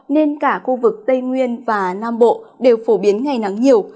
nên cả khu vực tây nguyên và nam bộ đều phổ biến ngày nắng nhiều